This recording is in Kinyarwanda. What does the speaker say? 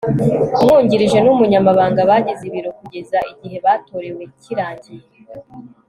umwungirije n'umunyamabanga bagize ibiro kugeza igihe batorewe kirangiye